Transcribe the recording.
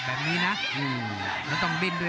โหโหโหโหโหโหโห